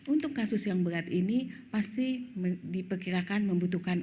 untuk kasus yang berat ini pasti diperkirakan membutuhkan